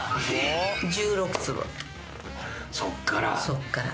そっから。